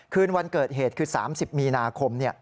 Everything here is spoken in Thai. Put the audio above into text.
คืนวันเกิดเหตุคือ๓๐มีนาคม